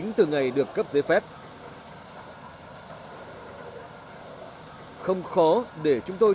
như thế nào các anh xem nào cũng vậy